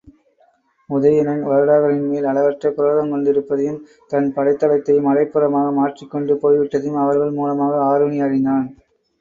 உதயணன் வருடகாரனின்மேல் அளவற்ற குரோதங்கொண்டிருப்பதையும், தன் படைத் தளத்தை மலைப்புறமாக மாற்றிக்கொண்டு போய்விட்டதையும் அவர்கள் மூலமாக ஆருணி அறிந்தான்.